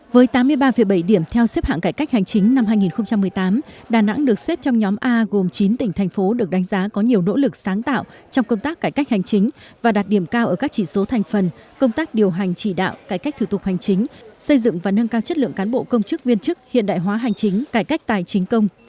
với tám mươi ba bảy điểm theo xếp hạng cải cách hành chính năm hai nghìn một mươi tám đà nẵng được xếp trong nhóm a gồm chín tỉnh thành phố được đánh giá có nhiều nỗ lực sáng tạo trong công tác cải cách hành chính và đạt điểm cao ở các chỉ số thành phần công tác điều hành chỉ đạo cải cách thủ tục hành chính xây dựng và nâng cao chất lượng cán bộ công chức viên chức hiện đại hóa hành chính cải cách tài chính công